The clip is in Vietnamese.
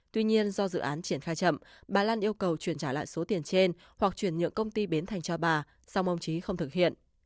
tuy nhiên do dự án triển khai chậm bà lan yêu cầu chuyển trả lại số tiền trên hoặc chuyển nhượng công ty bến thành cho bà song ông trí không thực hiện